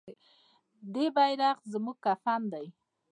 د دې بیرغ زموږ کفن دی؟